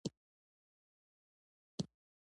دا د خدای لومړنی کور دی.